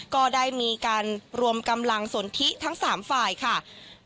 ก็ได้มีการรวมกำลังสนทิทั้ง๓ฝ่ายค่ะ